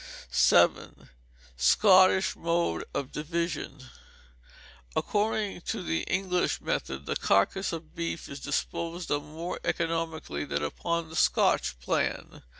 _ vii. Scottish Mode of Division. According to the English method the carcase of beef is disposed of more economically than upon the Scotch plan.